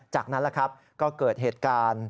จากนั้นก็เกิดเหตุการณ์